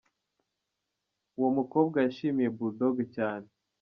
Uwo mukobwa yishimiye Bull Dogg cyane.